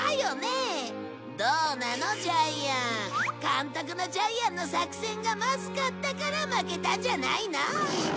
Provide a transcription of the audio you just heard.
監督のジャイアンの作戦がまずかったから負けたんじゃないの？